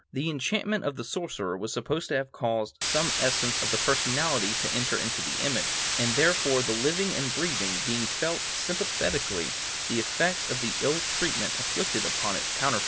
The enchantment of the sorcerer was supposed to have caused some essence of the personality to enter into the image, and therefore the living and breathing being felt sympathetically the effects of the ill treatment inflicted upon its counterfeit.